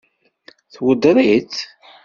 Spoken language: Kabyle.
Tweddeṛ-itt?